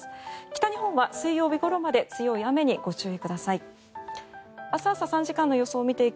北日本は水曜日ごろまで強い雨にご注意ください。